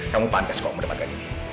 kamu pantas kok mendapatkan ini